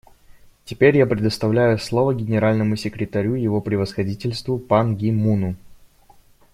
Теперь я предоставляю слово Генеральному секретарю Его Превосходительству Пан Ги Муну.